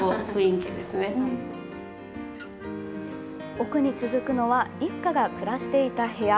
奥に続くのは、一家が暮らしていた部屋。